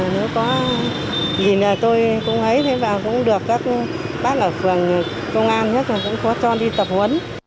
nếu có gì tôi cũng hấy vào cũng được các bác ở phường công an nhất cũng có cho đi tập huấn